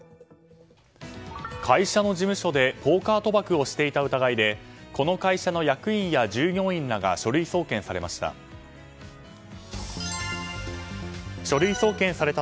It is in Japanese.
会社の事務所でポーカー賭博をしていた疑いでこの会社の役員や従業員らが書類送検されました。